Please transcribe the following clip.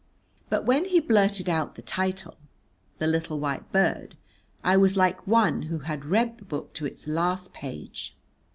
But when he blurted out the title, "The Little White Bird," I was like one who had read the book to its last page.